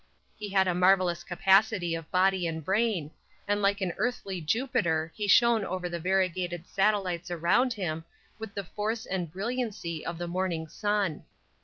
He had a marvelous capacity of body and brain, and like an earthly Jupiter he shone over the variegated satellites around him with the force and brilliancy of the morning sun.